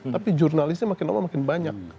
tapi jurnalisnya makin lama makin banyak